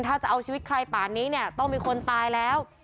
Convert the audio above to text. ถ้าจะเอาชีวิตใครป่านนี้เนี่ยต้องมีคนตายแล้ว